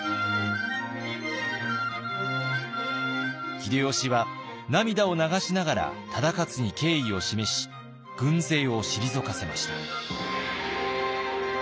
秀吉は涙を流しながら忠勝に敬意を示し軍勢を退かせました。